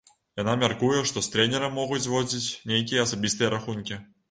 Яна мяркуе, што з трэнерам могуць зводзіць нейкія асабістыя рахункі.